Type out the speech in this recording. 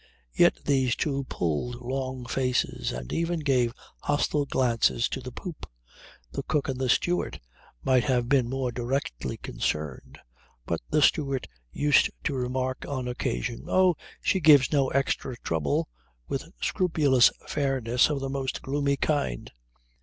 Yet these two pulled long faces and even gave hostile glances to the poop. The cook and the steward might have been more directly concerned. But the steward used to remark on occasion, 'Oh, she gives no extra trouble,' with scrupulous fairness of the most gloomy kind.